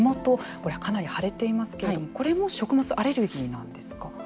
これはかなり腫れていますけれどもこれも食物アレルギーなんですか？